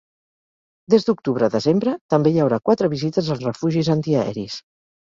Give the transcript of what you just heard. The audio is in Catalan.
Des d’octubre a desembre, també hi haurà quatre visites als refugis antiaeris.